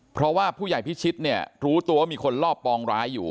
เพราะว่าผู้ใหญ่พิชิตเนี่ยรู้ตัวว่ามีคนรอบปองร้ายอยู่